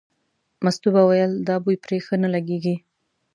مستو به ویل دا بوی پرې ښه نه لګېږي.